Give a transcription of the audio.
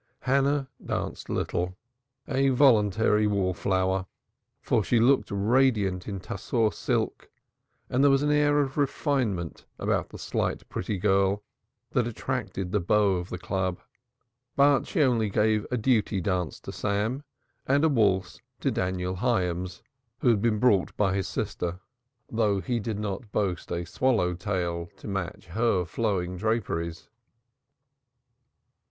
Hannah danced little, a voluntary wallflower, for she looked radiant in tussore silk, and there was an air of refinement about the slight, pretty girl that attracted the beaux of the Club. But she only gave a duty dance to Sam, and a waltz to Daniel Hyams, who had been brought by his sister, though he did not boast a swallow tail to match her flowing draperies.